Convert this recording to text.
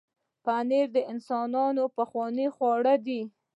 پنېر د انسانانو پخوانی خواړه دی.